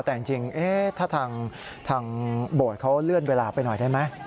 แต่จริงถ้าทางโบสถ์เขาเลื่อนเวลาไปหน่อยได้ไหม